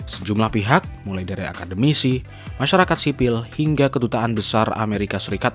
sejumlah pihak mulai dari akademisi masyarakat sipil hingga kedutaan besar amerika serikat